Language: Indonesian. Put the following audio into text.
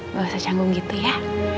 nggak usah canggung gitu ya